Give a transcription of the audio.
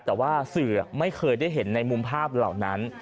แต่ว่าสื่อไม่เคยได้เห็นในมุมภาพเหล่านั้น